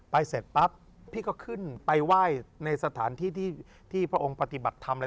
เสร็จปั๊บพี่ก็ขึ้นไปไหว้ในสถานที่ที่พระองค์ปฏิบัติทำอะไร